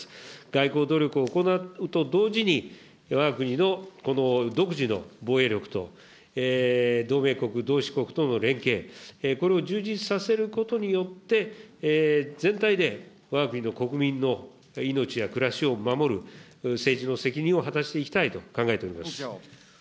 外交努力を行うと同時に、わが国のこの独自の防衛力と、同盟国、同志国との連携、これを充実させることによって、全体でわが国の国民の命や暮らしを守る、政治の責任を果たしていきたいと考えております。